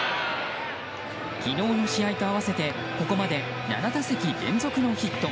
昨日の試合と合わせてここまで７打席連続ノーヒット。